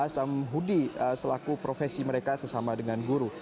samhudi selaku profesi mereka sesama dengan guru